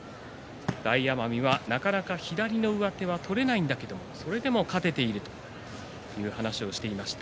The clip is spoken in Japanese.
大奄美はなかなか左の上手は取れないんだけれどそれでも勝てていると話していました。